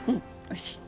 よし。